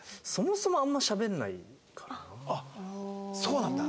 そもそもあんましゃべんないかな。